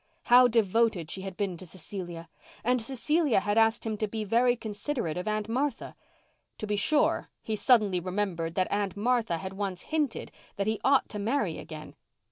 How devoted she had been to Cecilia! And Cecilia had asked him to be very considerate of Aunt Martha. To be sure, he suddenly remembered that Aunt Martha had once hinted that he ought to marry again.